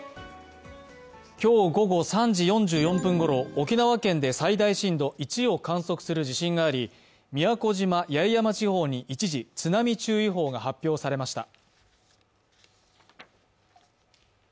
今日午後３時４４分ごろ、沖縄県で最大震度１を観測する地震が有り、宮古島・八重山地方に一時津波注意報が発表されました。